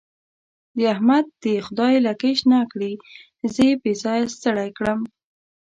د احمد دې خدای لکۍ شنه کړي؛ زه يې بې ځايه ستړی کړم.